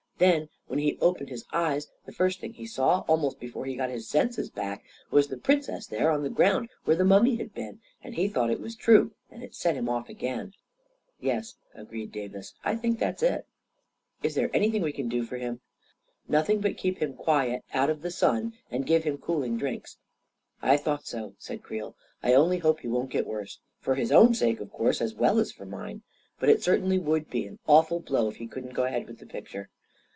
" Then, when he opened his eyes, the first thing he saw, almost before he got his senses back, was the Princess there on the ground where the mummy had been, and he thought it was true, and it set him off again !"" Yes," agreed Davis. " I think that's it." 1 88 A KING IN BABYLON 11 Is there anything we can do for him? "" Nothing but keep him quiet out of the sun, and give him cooling drinks. 91 " I thought so," said Creel. " I only hope he won't get worse. For his own sake, of course, as well as for mine. But it certainly would be an aw ful blow if he couldn't go ahead with the picture.